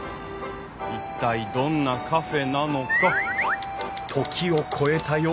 一体どんなカフェなのか。